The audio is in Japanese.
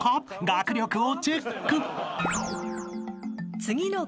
学力をチェック］